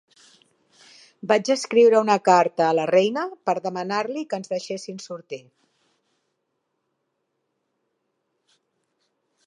Vaig escriure una carta a la reina per demanar-li que ens deixessin sortir.